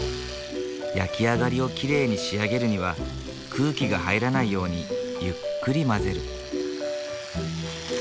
焼き上がりをきれいに仕上げるには空気が入らないようにゆっくり混ぜる。